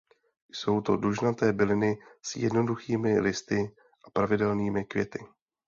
Jsou to dužnaté byliny s jednoduchými listy a pravidelnými květy.